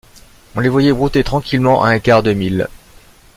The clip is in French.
On les voyait brouter tranquillement, à un quart de mille.